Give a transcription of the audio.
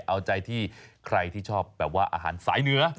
เอาใจที่ใครที่ชอบแบบว่าอาหารสายเหนือ